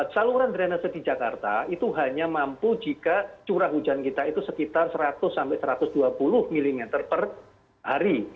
saluran drainase di jakarta itu hanya mampu jika curah hujan kita itu sekitar seratus sampai satu ratus dua puluh mm per hari